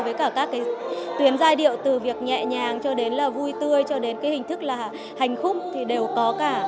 với cả các cái tuyến giai điệu từ việc nhẹ nhàng cho đến là vui tươi cho đến cái hình thức là hành khúc thì đều có cả